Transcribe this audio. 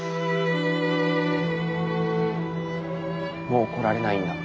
もう来られないんだ。